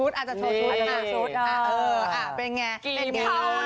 กเลี้ยวนิ้ว